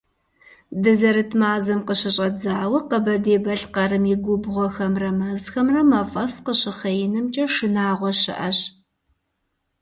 Дызэрыт мазэм къыщыщӀэдзауэ Къэбэрдей-Балъкъэрым и губгъуэхэмрэ мэзхэмрэ мафӀэс къыщыхъеинымкӀэ шынагъуэ щыӀэщ.